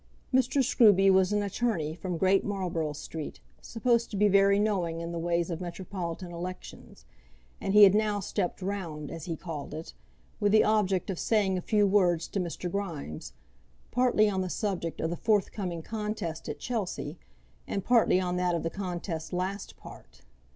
Mr. Scruby was an attorney from Great Marlborough Street, supposed to be very knowing in the ways of metropolitan elections; and he had now stepped round, as he called it, with the object of saying a few words to Mr. Grimes, partly on the subject of the forthcoming contest at Chelsea, and partly on that of the contest last past.